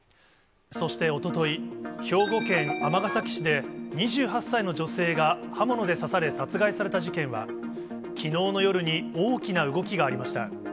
そしておととい、兵庫県尼崎市で２８歳の女性が、刃物で刺され殺害された事件は、きのうの夜に大きな動きがありました。